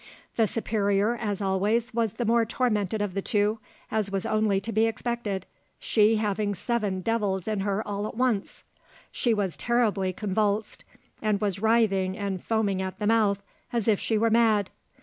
The superior, as always, was the more tormented of the two, as was only to be expected, she having seven devils in her all at once; she was terribly convulsed, and was writhing and foaming at the mouth as if she were mad.